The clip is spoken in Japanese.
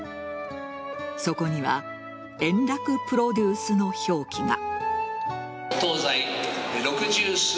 そこには円楽プロデュースの表記が。